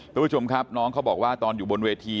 ทุกผู้ชมครับน้องเขาบอกว่าตอนอยู่บนเวที